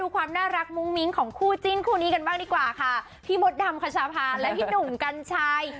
ความน่ารักมุ้งมิ้งของคู่จิ้นคู่นี้กันบ้างดีกว่าค่ะพี่มดดำคชาพาและพี่หนุ่มกัญชัย